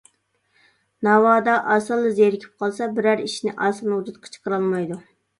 ناۋادا ئاسانلا زېرىكىپ قالسا بىرەر ئىشنى ئاسان ۋۇجۇدقا چىقىرالمايدۇ.